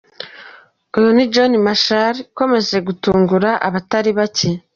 Uyu ni John Macharia ukomeje gutungura abatari bake.